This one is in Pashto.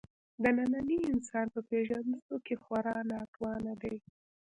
د ننني انسان په پېژندلو کې خورا ناتوانه دی.